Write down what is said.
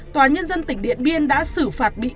tòa nhân dân tỉnh điện biên đã xử phạt